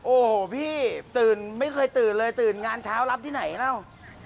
โอ้โหพี่ตื่นไม่เคยตื่นเลยตื่นงานเช้ารับที่ไหนเล่า